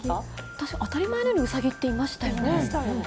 昔、当たり前のように、うさぎっていましたよね。